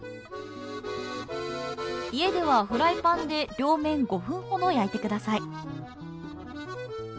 家ではフライパンで両面５分ほど焼いてください